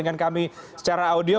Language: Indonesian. dengan kami secara audio